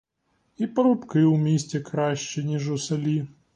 І парубки у місті кращі, ніж у селі.